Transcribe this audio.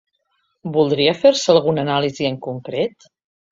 Voldria fer-se algun anàlisi en concret?